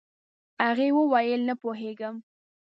هغې وويل نه پوهيږم.